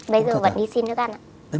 bây giờ vẫn đi xin nước ăn á